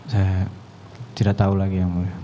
saya tidak tahu lagi yang mulia